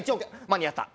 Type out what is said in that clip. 間に合った。